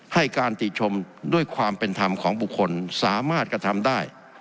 ให้การติชมด้วยความเป็นธรรมของบุคคลสามารถกระทำได้